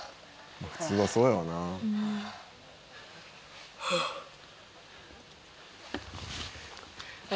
「普通はそうやろうな」はあ。